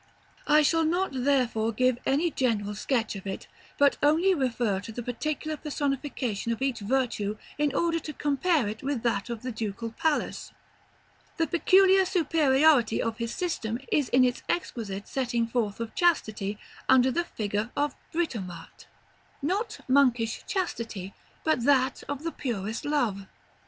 I shall not therefore give any general sketch of it, but only refer to the particular personification of each virtue in order to compare it with that of the Ducal Palace. The peculiar superiority of his system is in its exquisite setting forth of Chastity under the figure of Britomart; not monkish chastity, but that of the purest Love.